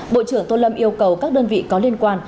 bộ trưởng tô lâm yêu cầu các đơn vị có liên quan